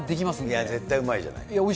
いや、絶対うまいじゃない。